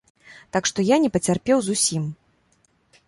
Так што я не пацярпеў зусім.